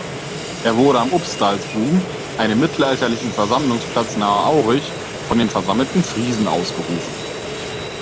Er wurde am Upstalsboom, einem mittelalterlichen Versammlungsplatz nahe Aurich, von den versammelten Friesen ausgerufen.